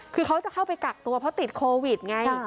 คือเขาจะเข้าไปกักตัวเพราะติดโควิดไง